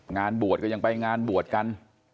งานบวชก็ยังไปงานบวชกัน